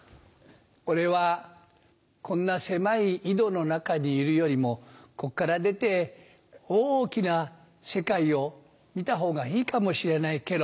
俺はこんな狭い井戸の中にいるよりもこっから出て大きな世界を見たほうがいいかもしれないケロ。